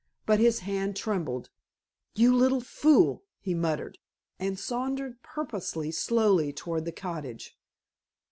But his hand trembled. "You little fool," he muttered, and sauntered, purposely, slowly toward the cottage.